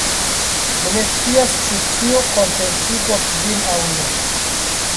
Mi ne scias, ĉu tio kontentigos vin aŭ ne.